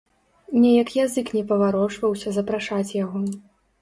Неяк язык не паварочваўся запрашаць яго.